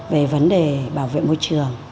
về vấn đề bảo vệ môi trường